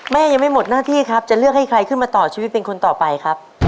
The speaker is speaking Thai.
ยังไม่หมดหน้าที่ครับจะเลือกให้ใครขึ้นมาต่อชีวิตเป็นคนต่อไปครับ